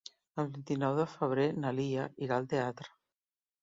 El vint-i-nou de febrer na Lia irà al teatre.